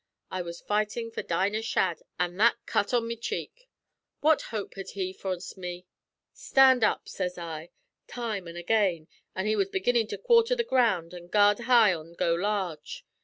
I was fightin' for Dinah Shadd an' that cut on me cheek. What hope had he forninst me? 'Stand up!' sez I, time an' again, when he was beginnin' to quarter the ground an' gyard high an' go large.